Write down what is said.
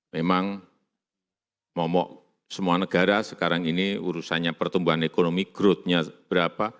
memang momok semua negara sekarang ini urusannya pertumbuhan ekonomi growth nya berapa